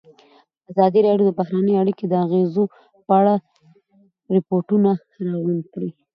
ازادي راډیو د بهرنۍ اړیکې د اغېزو په اړه ریپوټونه راغونډ کړي.